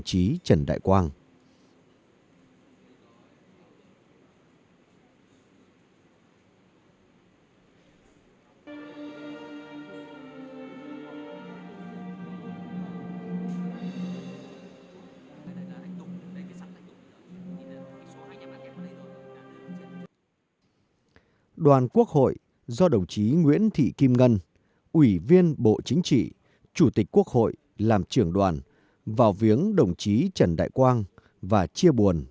chính phủ do đồng chí nguyễn xuân phúc ủy viên bộ chính trị thủ tướng chính phủ làm trưởng đoàn vào viếng và chia buồn